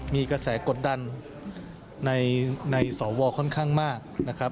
มีกระแสกดดันในสวค่อนข้างมากนะครับ